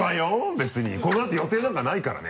別にこのあと予定なんかないからね。